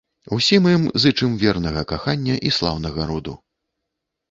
Усім ім зычым вернага кахання і слаўнага роду.